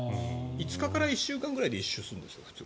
５日から１週間くらいで１周するんですよ。